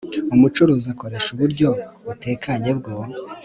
umucuruzi akoresha uburyo butekanye bwo